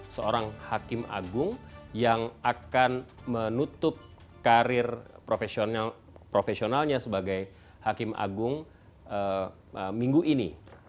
seorang hakim agung yang akan menutup karir profesionalnya sebagai hakim agung minggu ini